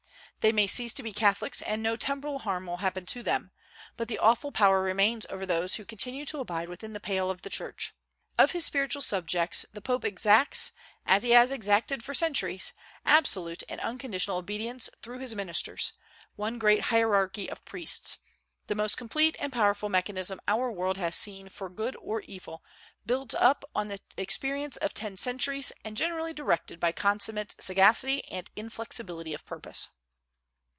They may cease to be Catholics, and no temporal harm will happen to them; but the awful power remains over those who continue to abide within the pale of the Church. Of his spiritual subjects the Pope exacts, as he has exacted for centuries, absolute and unconditional obedience through his ministers, one great hierarchy of priests; the most complete and powerful mechanism our world has seen for good or evil, built up on the experience of ten centuries, and generally directed by consummate sagacity and inflexibility of purpose.